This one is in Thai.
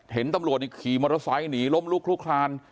เห็นตำรวจขี่มอเตอร์ไซค์หนีล้มลุกลุกคลาน